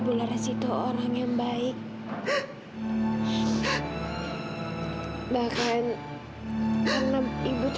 boleh kan bu